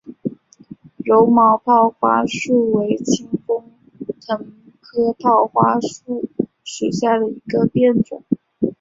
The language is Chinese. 柔毛泡花树为清风藤科泡花树属下的一个变种。